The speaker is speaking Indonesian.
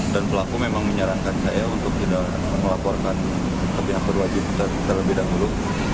dan pelaku memang menyarankan saya untuk tidak melaporkan ke pihak berwajib terlebih dahulu